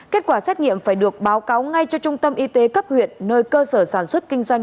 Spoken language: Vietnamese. kết quả xét nghiệm phải được báo cáo ngay cho trung tâm y tế cấp huyện nơi cơ sở sản xuất kinh doanh